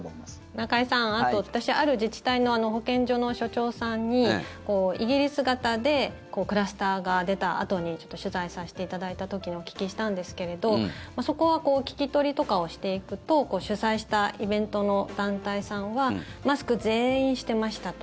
中居さん、あと私ある自治体の保健所の所長さんにイギリス型でクラスターが出たあとに取材させていただいた時にお聞きしたんですけれどそこは聞き取りとかをしていくと主催したイベントの団体さんはマスク、全員してましたと。